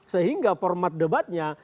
sehingga format debatnya